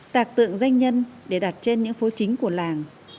tạc tượng danh nhân để đặt trên những phố chính của làng